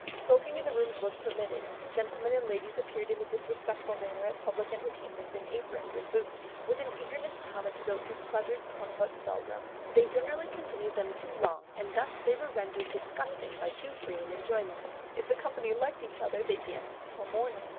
Smoking in the rooms was permitted; gentlemen and ladies appeared in a disrespectful manner at public entertainments in aprons and boots. With an eagerness common to those whose pleasures come but seldom, they generally continued them too long, and thus they were rendered disgusting by too free an enjoyment. If the company liked each other they danced till morning.